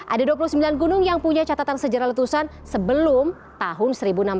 ada dua puluh sembilan gunung yang punya catatan sejarah letusan sebelum tahun seribu enam ratus